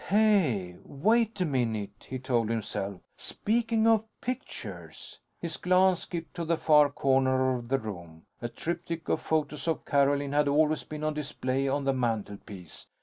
Hey, wait a minute! he told himself; speaking of pictures his glance skipped to the far corner of the room. A triptych of photos of Carolyn had always been on display on the mantelpiece.